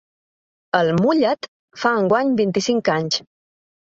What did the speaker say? El «Mulla’t» fa enguany vint-i-cinc anys.